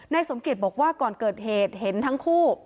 สมเกียจบอกว่าก่อนเกิดเหตุเห็นทั้งคู่